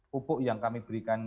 pupuk yang kami berikan